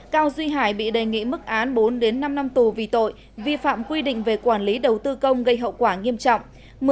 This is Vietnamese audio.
cao duy hải bị đề nghị mức án bốn năm năm tù vì tội vi phạm quy định về quản lý đầu tư công gây hậu quả nghiêm trọng